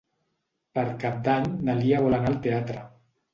Per Cap d'Any na Lia vol anar al teatre.